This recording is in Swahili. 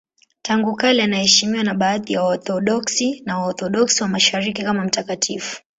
Tangu kale anaheshimiwa na baadhi ya Waorthodoksi na Waorthodoksi wa Mashariki kama mtakatifu.